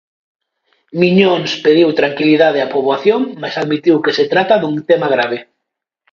Miñóns pediu "tranquilidade" á poboación, mais admitiu que se trata dun "tema grave".